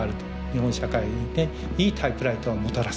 日本社会にねいいタイプライターをもたらす。